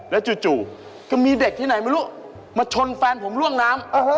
แล้วจู่ก็มีเด็กที่ไหนไม่รู้มาชนแฟนผมล่วงน้ำ